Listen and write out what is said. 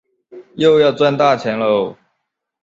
又要赚大钱啰